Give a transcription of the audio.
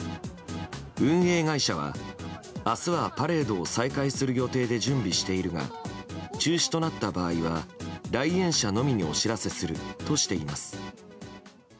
運営会社は明日はパレードを再開する予定で準備しているが中止となった場合は来園者のみにお知らせするとしています。